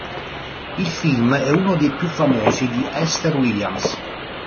Il film è uno dei più famosi di Esther Williams.